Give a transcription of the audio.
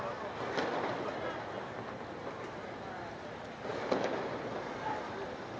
kemudian terjadi keributan dan pebakaran